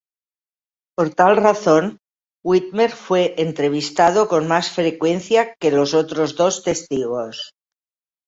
Por tal razón, Whitmer fue entrevistado con más frecuencia que los otros dos testigos.